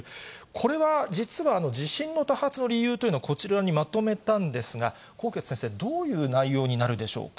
これは実は地震の多発の理由というのは、こちらにまとめたんですが、纐纈先生、どういう内容になるでしょうか。